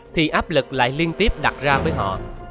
thì áp lực lại liên tiếp đặt ra với họ